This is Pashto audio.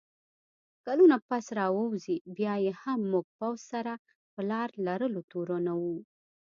کلونه پس راووځي، بیا یې هم موږ پوځ سره په لار لرلو تورنوو